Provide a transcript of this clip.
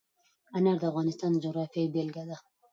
انار د افغانستان د جغرافیې بېلګه ده.